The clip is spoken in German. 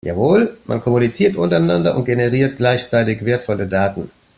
Jawohl, man kommuniziert untereinander und generiert gleichzeitig wertvolle Daten.